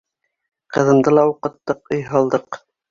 Ҡыҙымды ла уҡыттыҡ, өй һалдыҡ.